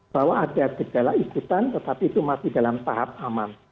bahwa ada gejala ikutan tetapi itu masih dalam tahap aman